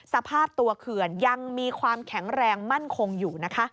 สภาพตัวเขื่อนยังมีความแข็งแรงมั่นคงอยู่นะคะ